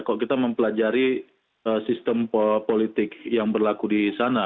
kalau kita mempelajari sistem politik yang berlaku di sana